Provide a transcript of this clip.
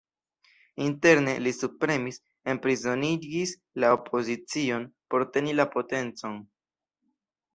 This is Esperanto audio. Interne, li subpremis, enprizonigis la opozicion, por teni la potencon.